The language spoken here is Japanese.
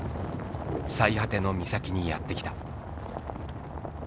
最果ての岬にやって来た。